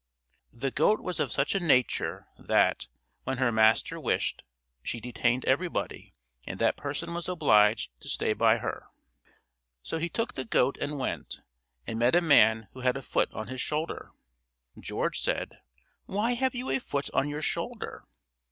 The goat was of such a nature that, when her master wished, she detained everybody, and that person was obliged to stay by her. So he took the goat and went, and met a man who had a foot on his shoulder. George said: "Why have you a foot on your shoulder?"